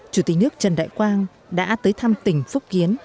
chủ tịch nước trần đại quang đã tới thăm tỉnh phúc kiến